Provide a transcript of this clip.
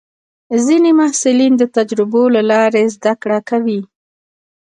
ځینې محصلین د تجربو له لارې زده کړه کوي.